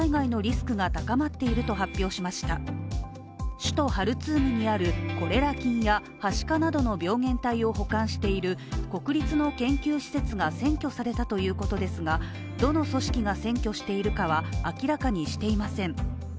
首都ハルツームにあるコレラ菌やはしかなどの病原体を保管している国立の研究施設が占拠されたということですが、どの組織が占拠しているかは明らかにしていません。